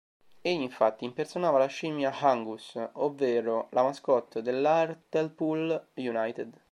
Egli infatti impersonava la scimmia "H'Angus", ovvero la mascotte dell'Hartlepool United.